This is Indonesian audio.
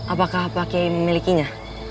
apakah pak kiai memilikinya